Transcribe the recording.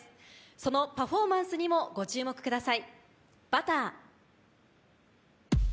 そのパフォーマンスにもご注目ください。